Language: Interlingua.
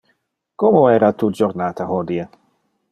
Como era tu jornata hodie?